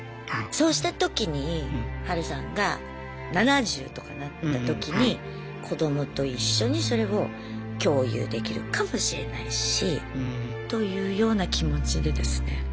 そうしたときにハルさんが７０とかなったときに子どもと一緒にそれを共有できるかもしれないしというような気持ちでですね